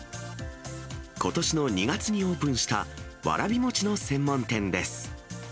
ことしの２月のオープンした、わらび餅の専門店です。